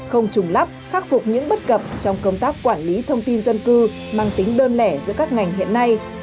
không trùng lắp khắc phục những bất cập trong công tác quản lý thông tin dân cư mang tính đơn lẻ giữa các ngành hiện nay